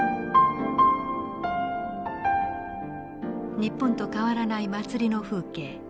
日本と変わらない祭りの風景。